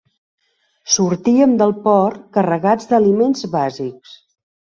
Sortíem del port carregats d'aliments bàsics.